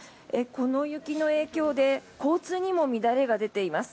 この雪の影響で交通にも乱れが出ています。